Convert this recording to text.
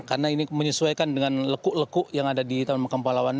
karena ini menyesuaikan dengan lekuk lekuk yang ada di taman makam pahlawan